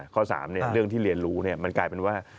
ข้อ๓เรื่องที่เรียนรู้มันกลายเป็นว่า